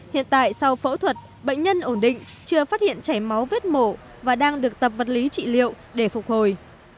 hiện tại sau phẫu thuật bệnh nhân ổn định chưa phát hiện chảy máu vết mổ và đang được tập vật lý trị liệu để phục hồi